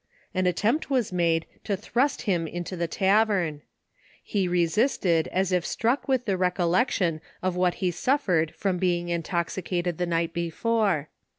An attempt was made to thrust him into the tavern. He resisted, as if struck with .the recollection of what he suffered from being intoxica ted the night before.